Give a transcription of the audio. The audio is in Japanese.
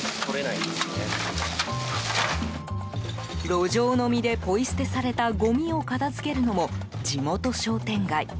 路上飲みでポイ捨てされたごみを片付けるのも地元商店街。